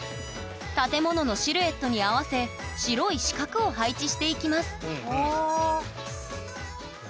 建物のシルエットに合わせ白い四角を配置していきます